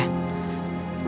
masjid yang tersebut